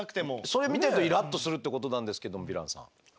それを見てるとイラッとするってことなんですけどヴィランさん。